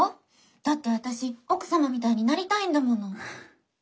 だって私奥様みたいになりたいんだもの。